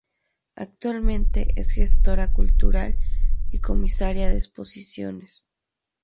Actualmente es gestora cultural y comisaria de exposiciones.